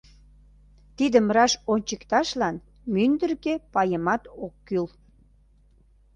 Тидым раш ончыкташлан мӱндыркӧ пайымат ок кӱл.